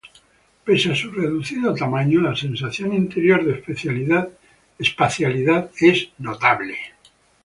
Pese a su reducido tamaño, la sensación interior de espacialidad es notable.